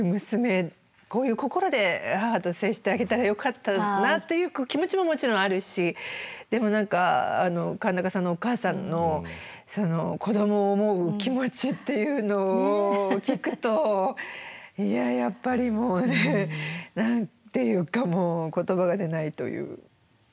こういう心で母と接してあげたらよかったなという気持ちももちろんあるしでも何か川中さんのお母さんの子どもを思う気持ちっていうのを聞くといややっぱりもうね何て言うかもう言葉が出ないという。